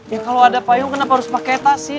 ya kalau ada payung kenapa harus pakai tas sih